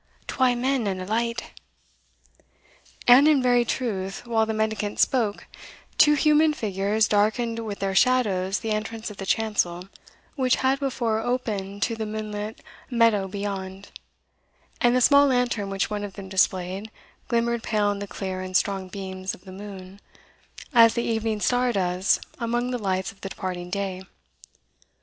twa men and a light." And in very truth, while the mendicant spoke, two human figures darkened with their shadows the entrance of the chancel which had before opened to the moon lit meadow beyond, and the small lantern which one of them displayed, glimmered pale in the clear and strong beams of the moon, as the evening star does among the lights of the departing day.